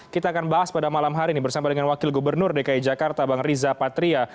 kita akan bahas pada malam hari ini bersama dengan wakil gubernur dki jakarta bang riza patria